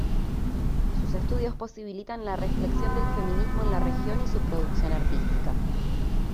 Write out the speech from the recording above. Sus estudios posibilitan la reflexión del feminismo en la región y su producción artística.